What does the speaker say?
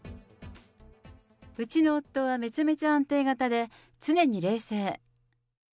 うちの夫はめちゃめちゃ安定型で常に冷静。